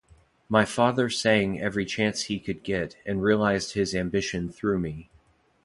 My father sang every chance he could get and realized his ambition through me.